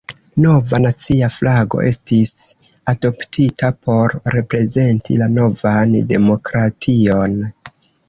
Nova nacia flago estis adoptita por reprezenti la novan demokration.